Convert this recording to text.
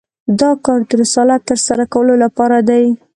دا کار د رسالت تر سره کولو لپاره دی.